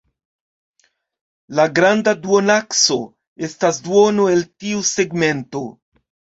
La granda duonakso estas duono el tiu segmento.